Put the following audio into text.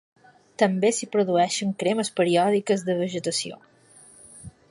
També s'hi produeixen cremes periòdiques de vegetació.